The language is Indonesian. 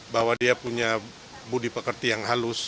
bahwa dia punya budi pekerti yang halus